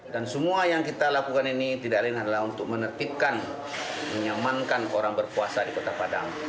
dan semua yang kita lakukan ini tidak lain adalah untuk menertibkan menyamankan orang berpuasa di kota padang